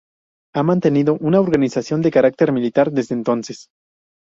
Ha mantenido una organización de carácter familiar desde entonces.